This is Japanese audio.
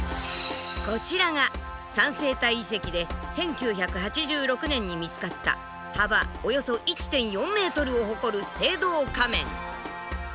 こちらが三星堆遺跡で１９８６年に見つかった幅およそ１．４ｍを誇る青銅仮面。